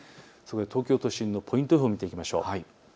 東京都心のポイント予報で見ていきましょう。